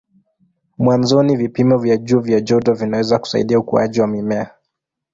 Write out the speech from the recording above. Mwanzoni vipimo vya juu vya joto vinaweza kusaidia ukuaji wa mimea.